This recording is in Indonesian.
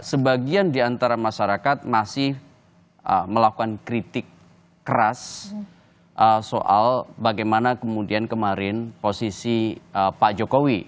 sebagian di antara masyarakat masih melakukan kritik keras soal bagaimana kemudian kemarin posisi pak jokowi